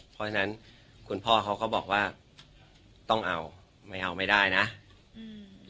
เพราะฉะนั้นคุณพ่อเขาก็บอกว่าต้องเอาไม่เอาไม่ได้นะอืม